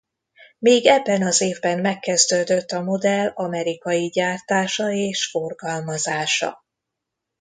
Még ebben az évben megkezdődött a modell amerikai gyártása és forgalmazása.